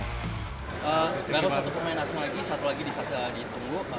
baru satu pemain asing lagi satu lagi bisa ditunggu